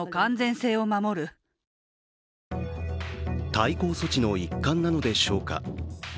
対抗措置の一環なのでしょうか。